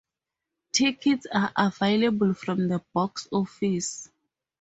Tickets are available from the box office.